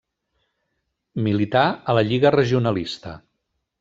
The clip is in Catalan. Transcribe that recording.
Milità a la Lliga Regionalista.